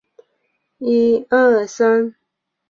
魔多客也是一名天才级科学家和战略家。